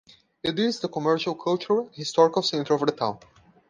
It is the commercial, cultural and historical center of the town.